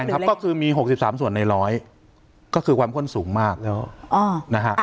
แรงครับก็คือมี๖๓ส่วนในร้อยก็คือความค่นสูงมากแล้ว